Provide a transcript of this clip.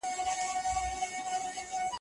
د څارنوال پوښتني ډېرې دقیقې وې.